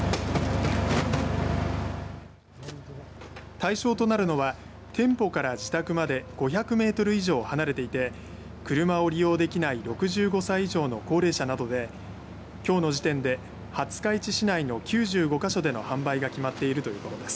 対象となるのは店舗から自宅まで５００メートル以上離れていて車を利用できない６５歳以上の高齢者などできょうの時点で廿日市市内の９５か所での販売が決まっているということです。